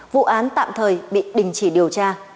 vụ án tạm thời bị đình chỉ điều tra